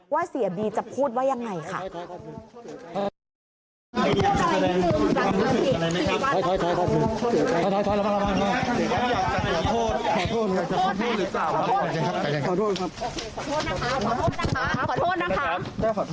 เสียบีจะพูดว่ายังไงค่ะ